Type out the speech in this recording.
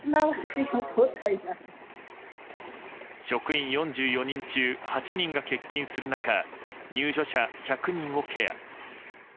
職員４４人中８人が欠勤する中入所者１００人をケア。